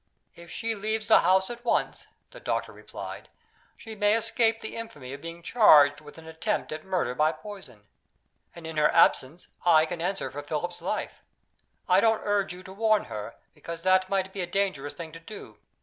"If she leaves the house at once," the doctor replied, "she may escape the infamy of being charged with an attempt at murder by poison; and, in her absence, I can answer for Philip's life. I don't urge you to warn her, because that might be a dangerous thing to do.